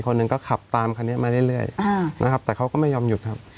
คนหนึ่งก็ขับตามคันนี้มาเรื่อยนะครับแต่เขาก็ไม่ยอมหยุดครับ